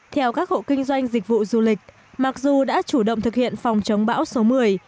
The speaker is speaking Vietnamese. theo các hộ kinh doanh dịch vụ du lịch mặc dù đã chủ động thực hiện phòng chống bão số một mươi